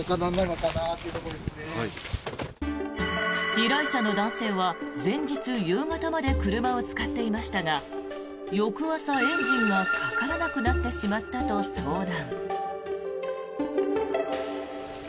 依頼者の男性は前日夕方まで車を使っていましたが翌朝、エンジンがかからなくなってしまったと相談。